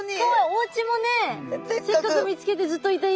おうちもねせっかく見つけてずっといた家なのに。